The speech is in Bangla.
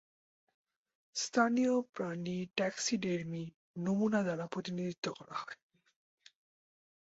স্থানীয় প্রাণী ট্যাক্সিডের্মি নমুনা দ্বারা প্রতিনিধিত্ব করা হয়।